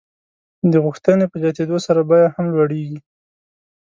د غوښتنې په زیاتېدو سره بیه هم لوړېږي.